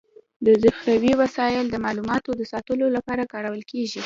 ذخيروي وسایل د معلوماتو د ساتلو لپاره کارول کيږي.